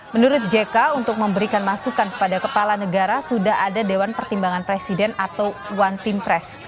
menurut jk untuk memberikan masukan kepada kepala negara sudah ada dewan pertimbangan presiden atau one team press